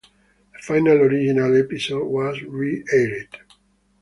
The final original episode was re-aired.